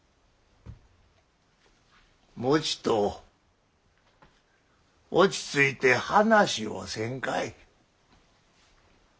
もうちっと落ち着いて話をせんかえ。